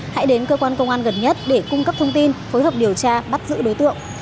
hãy đến cơ quan công an gần nhất để cung cấp thông tin phối hợp điều tra bắt giữ đối tượng